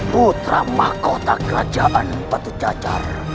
putra mahkota kerajaan batu cacar